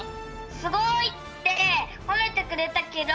「すごい」ってほめてくれたけど